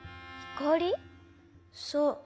そう。